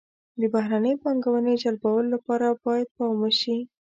د بهرنۍ پانګونې جلبولو لپاره باید پام وشي.